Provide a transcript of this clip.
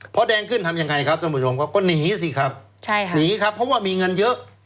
เพราะแดงขึ้นทำยังไงครับท่านผู้ชมครับก็หนีสิครับใช่ค่ะหนีครับเพราะว่ามีเงินเยอะ